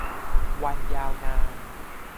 วันยาวนาน